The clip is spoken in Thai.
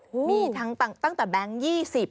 มีตั้งแต่แบงค์ยี่สิบ